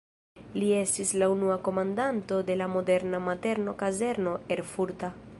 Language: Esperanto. Li estis la unua komandanto de la moderna Marteno-kazerno erfurta.